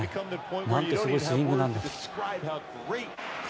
何てすごいスイングなんだと。